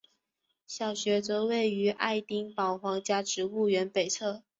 小学则位于爱丁堡皇家植物园北侧。